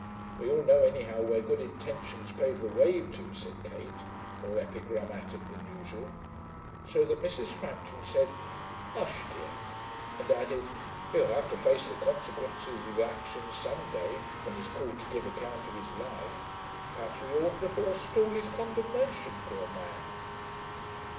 'We all know, anyhow, where good intentions pave the way to,' said Kate, more epigrammatic than usual, so that Mrs. Frampton said, 'Hush, dear,' and added, 'He'll have to face the consequences of his actions some day, when he's called to give account of his life. Perhaps we oughtn't to forestall his condemnation, poor man.'